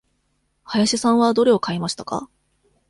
林さんはどれを買いましたか。